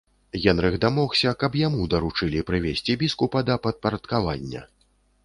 Генрых дамогся, каб яму даручылі прывесці біскупа да падпарадкавання.